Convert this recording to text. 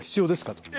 と。